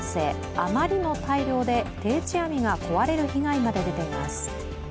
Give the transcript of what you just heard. あまりの大漁で定置網が壊れる被害まで出ています。